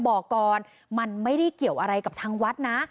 บอกก่อนมันไม่ได้เกี่ยวอะไรกับทางวัดนะ